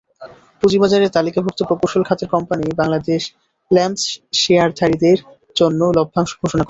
পুঁজিবাজারে তালিকাভুক্ত প্রকৌশল খাতের কোম্পানি বাংলাদেশ ল্যাম্পস শেয়ারধারীদের জন্য লভ্যাংশ ঘোষণা করেছে।